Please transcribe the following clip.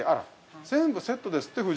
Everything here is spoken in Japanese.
全部セットですって、夫人。